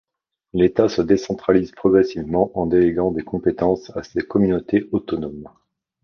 L'État se décentralise progressivement en déléguant des compétences à ces communautés autonomes.